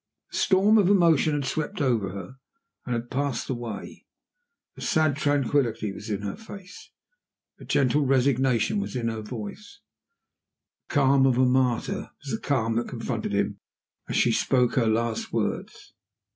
The storm of emotion had swept over her and had passed away A sad tranquillity was in her face; a gentle resignation was in her voice. The calm of a martyr was the calm that confronted him as she spoke her last words.